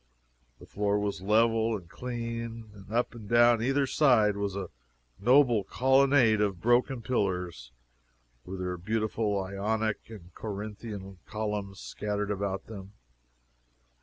The floor was level and clean, and up and down either side was a noble colonnade of broken pillars, with their beautiful Ionic and Corinthian columns scattered about them.